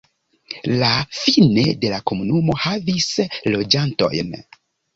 La Fine de la komunumo havis loĝantojn.